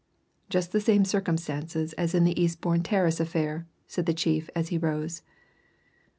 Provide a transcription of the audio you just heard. "Just the same circumstances as in the Eastbourne Terrace affair," said the chief as he rose.